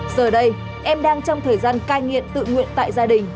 giờ đây em đang trong thời gian cai nghiện tự nguyện tại gia đình